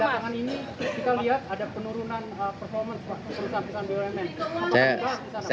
kita lihat ada penurunan performance pak